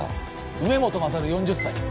梅本勝４０歳。